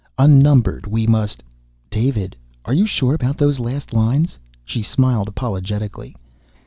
_ "_Unnumbered we must _" "David, are you sure about those last lines?" She smiled apologetically.